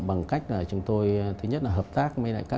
bằng cách chúng tôi thứ nhất là hợp tác với các chuyên gia